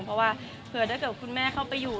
เพราะว่าเผื่อถ้าเกิดคุณแม่เข้าไปอยู่